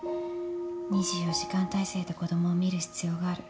２４時間態勢で子供を見る必要がある。